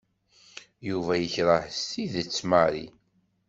Yuba yekreh s tidet Mary.